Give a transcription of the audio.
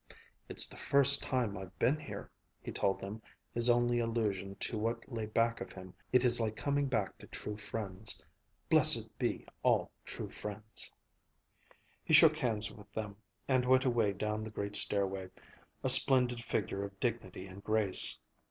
"It's the first time I've been here," he told them, his only allusion to what lay back of him. "It is like coming back to true friends. Blessed be all true friends." He shook hands with them, and went away down the great stairway, a splendid figure of dignity and grace.